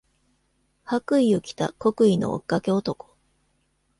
白衣を着た黒衣の追っかけ男。